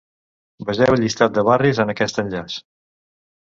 Vegeu el llistat de barris en aquest enllaç.